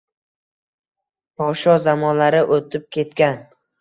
Poshsho zamonlari o‘tib ketgan.